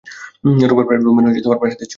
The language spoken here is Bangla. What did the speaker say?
রোমের প্রাসাদের চেয়েও বড়।